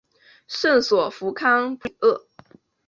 圣索弗康普里厄。